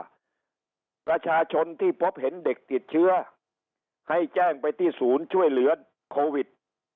ประชาชนที่พบเห็นเด็กติดเชื้อให้แจ้งไปที่ศูนย์ช่วยเหลือโควิด